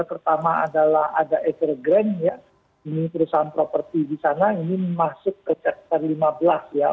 pertama adalah ada evergrande ya ini perusahaan property di sana ini masuk ke chapter lima belas ya